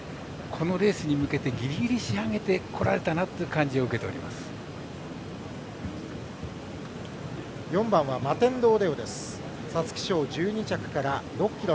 このレースに向けてぎりぎり仕上げてこられたなという４番はマテンロウレオです。